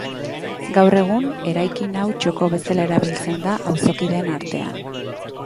Gaur egun, eraikin hau txoko bezala erabiltzen da auzokideen artean.